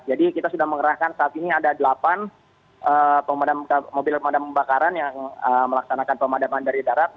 jadi kita sudah mengarahkan saat ini ada delapan mobil pemadam kebakaran yang melaksanakan pemadaman dari darat